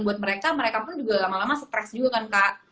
buat mereka mereka pun juga lama lama stres juga kan kak